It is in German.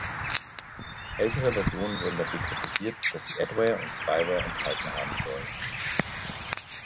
Ältere Versionen wurden dafür kritisiert, dass sie Adware und Spyware enthalten haben sollen.